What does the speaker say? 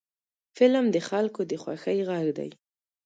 فلم د خلکو د خوښۍ غږ دی